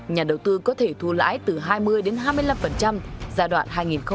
nhà đầu tư có thể thu lãi từ hai mươi hai mươi năm giai đoạn hai nghìn một mươi bảy hai nghìn một mươi tám